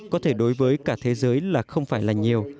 có thể đối với cả thế giới là không phải là nhiều